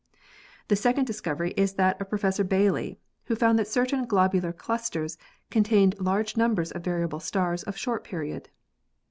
The second discovery is that of Professor Bailey, who found that certain globular clusters contain large numbers of variable stars of short period.